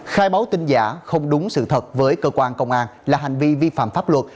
khai báo tin giả không đúng sự thật với cơ quan công an là hành vi vi phạm pháp luật